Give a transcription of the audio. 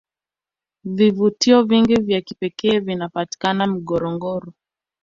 vvivutio vingi na vya kipekee vinapatikana ngorongoro